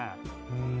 うん。